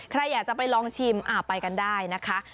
ใครอยากจะไปลองชิมไปกันได้นะคะ